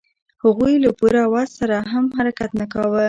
هغوی له پوره وس سره هم حرکت نه کاوه.